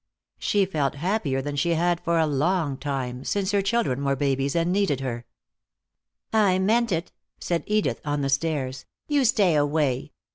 She felt happier than she had for a long time, since her children were babies and needed her. "I meant it," said Edith, on the stairs. "You stay away.